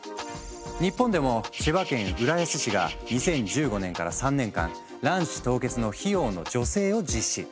日本でも千葉県浦安市が２０１５年から３年間卵子凍結の費用の助成を実施。